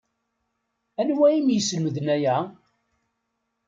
Anwa i m-yeslemden aya?